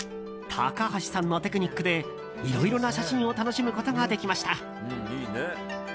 高橋さんのテクニックでいろいろな写真を楽しむことができました。